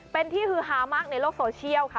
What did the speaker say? เป็นที่ฮือฮามากในโลกโซเชียลค่ะ